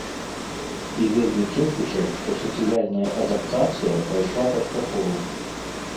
І вельмі цешуся, што сацыяльная адаптацыя прайшла паспяхова.